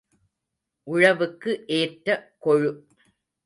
உழவுக்கு ஏற்ற கொழு.